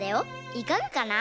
いかがかな？